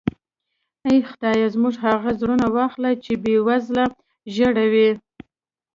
اې خدایه موږ هغه زړونه واخله چې بې وزله ژړوي.